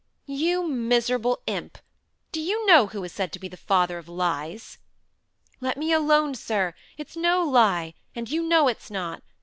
"You miserable imp! Do you know who is said to be the father of lies?" "Let me alone, sir. It's no lie, and you know it's not.